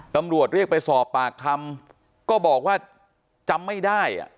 ตำรวจเรียกไปสอบปากคำก็บอกว่าจำไม่ได้